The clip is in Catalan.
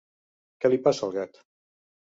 Què li passa al gat?